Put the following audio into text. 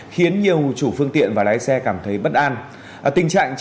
khiến nhiều chủ phương tiện và lái xe cảm thấy bất an